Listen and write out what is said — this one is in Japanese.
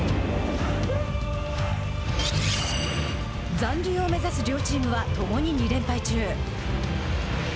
残留を目指す両チームは共に２連敗中。